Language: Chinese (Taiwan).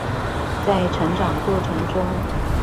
在成長的過程中